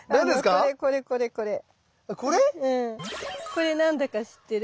これ何だか知ってる？